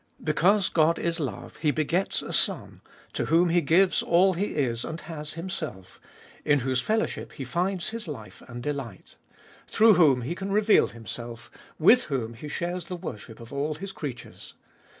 Because God is love He begets a Son, to whom He gives all He is and has Ebe Dolfcst of Hll Himself, in whose fellowship He finds His life and delight, through whom He can reveal Himself, with whom He shares the worship of all His creatures.